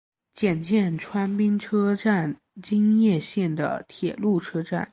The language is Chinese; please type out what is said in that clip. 检见川滨车站京叶线的铁路车站。